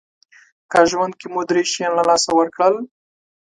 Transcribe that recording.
که ژوند کې مو درې شیان له لاسه ورکړل